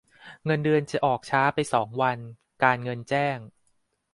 เงินเดือนจะออกช้าไปสองวัน การเงินแจ้ง